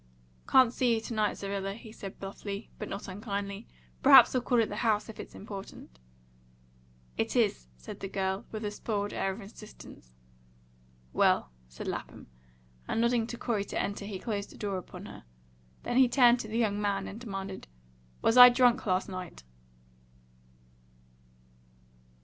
"Can't see you to night, Zerrilla," he said bluffly, but not unkindly. "Perhaps I'll call at the house, if it's important." "It is," said the girl, with a spoiled air of insistence. "Well," said Lapham, and, nodding to Corey to enter, he closed the door upon her. Then he turned to the young, man and demanded: "Was I drunk last night?"